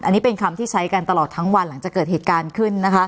อันนี้เป็นคำที่ใช้กันตลอดทั้งวันหลังจากเกิดเหตุการณ์ขึ้นนะคะ